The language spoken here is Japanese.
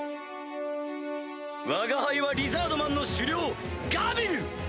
わが輩はリザードマンの首領ガビル！